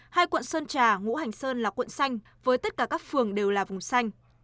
hai quận sơn trà ngũ hành sơn là quận xanh với tất cả các phường đều là vùng xanh